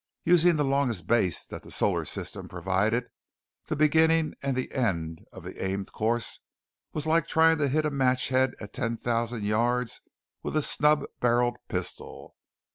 Using the longest base that the solar system provided, the beginning and the end of the aimed course was like trying to hit a match head at ten thousand yards with a snub barrelled pistol.